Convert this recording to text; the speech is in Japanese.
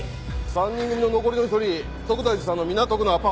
３人組の残りの１人徳大寺さんの港区のアパート分かった。